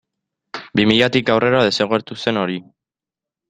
Bi milatik aurrera desagertu zen hori.